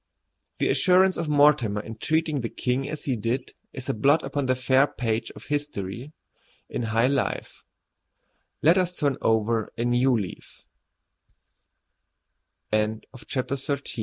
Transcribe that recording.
The assurance of Mortimer in treating the king as he did is a blot upon the fair page of history in high life. Let us turn over a new leaf. [Illustration: ON A HEN FARM.